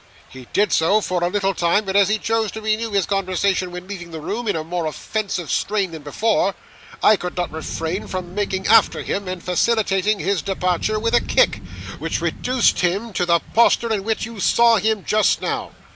He did so for a little time, but as he chose to renew his conversation when leaving the room, in a more offensive strain than before, I could not refrain from making after him, and facilitating his departure by a kick, which reduced him to the posture in which you saw him just now.